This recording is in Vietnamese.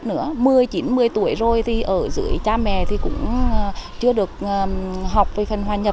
nữa một mươi chín một mươi tuổi rồi thì ở dưới cha mẹ thì cũng chưa được học về phần hòa nhập